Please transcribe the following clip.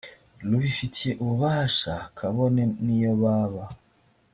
rubifitiye ububasha kabone n iyo baba